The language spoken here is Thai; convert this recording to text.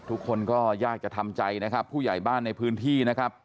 ทุกคนก็ยากจะทำใจนะครับผู้ใหญ่บ้านในพื้นที่นะครับ